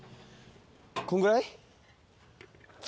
こんぐらい？